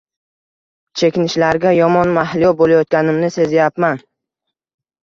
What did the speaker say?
Chekinishlarga yomon mahliyo bo’layotganimni sezayapman